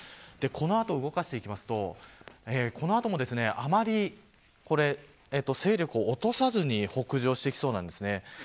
この後動かしていきますとこの後も、あまり勢力を落とさずに北上してきそうです。